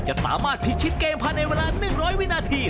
จะสามารถพิชิตเกมภายในเวลา๑๐๐วินาที